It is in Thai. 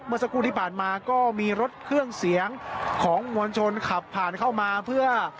สักครู่ที่ผ่านมาก็มีรถเครื่องเสียงของมวลชนขับผ่านเข้ามาเพื่อ